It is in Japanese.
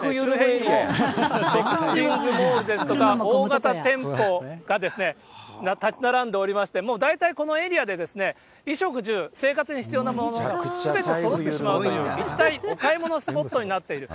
ショッピングモールですとか大型店舗が建ち並んでおりまして、大体このエリアで衣食住、生活に必要なものすべてそろってしまうという、一大お買い物スポットになっている。